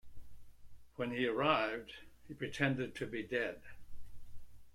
When he arrived, he pretended to be dead.